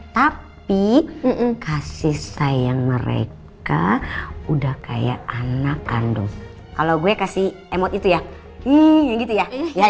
tapi kasih sayang mereka udah kayak anak kandung kalau gue kasih emot itu ya gitu ya ya